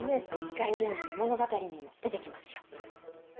光源氏の物語にも出てきますよ。